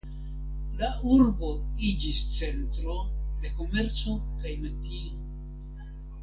La urbo iĝis centro de komerco kaj metio.